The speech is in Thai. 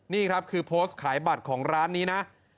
นี่ครับคือโพสต์ขายบัตรของร้านนี้นะ